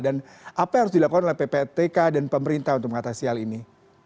dan apa yang harus dilakukan oleh pptk dan pemerintah untuk mengatasi hal ini